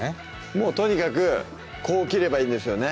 もうとにかくこう切ればいいんですよね